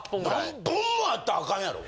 何本もあったらアカンやろ。